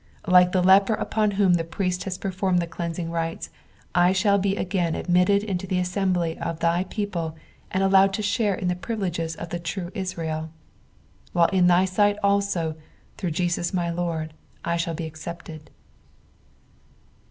Like the leper upon whom the priest has performed the cleansing rites, I shall he again admitted into the nssembly of tny people and allowed to slinrc in the privileges of the true Israel ; while in thy sight also, through Jeaus " my Lord, I aball be accepted.